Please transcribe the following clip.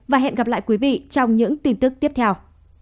và hẹn gặp lại quý vị trong những tin tức tiếp theo